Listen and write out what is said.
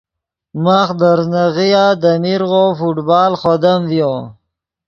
ماخ دے ریزناغیا دے میرغو فٹبال خودم ڤیو